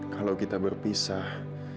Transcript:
kalau kita berpisah